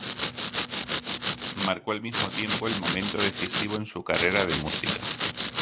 Marcó al mismo tiempo el momento decisivo de su carrera de música.